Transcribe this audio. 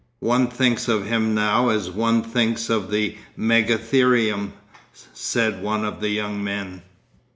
'One thinks of him now as one thinks of the megatherium,' said one of the young men.